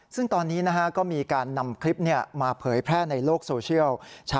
ซึ่งตอนนี้ก็มีการนำคลิปมาเผยแพร่ในโลกโซเชียล